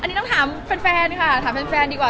อันนี้ต้องถามแฟนค่ะถามแฟนดีกว่า